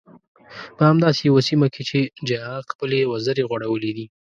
په همداسې يوه سيمه کې چې جهالت خپلې وزرې غوړولي دي.